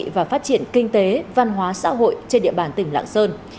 và phát triển kinh tế văn hóa xã hội trên địa bàn tỉnh lạng sơn